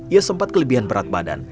ia sempat kelebihan berat badan